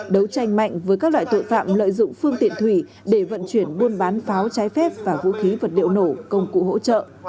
đấu tranh mạnh với các loại tội phạm lợi dụng phương tiện thủy để vận chuyển buôn bán pháo trái phép và vũ khí vật liệu nổ công cụ hỗ trợ